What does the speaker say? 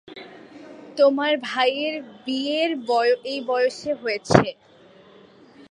তোমার ভাইয়ের বিয়েও এই বয়সে হয়েছে।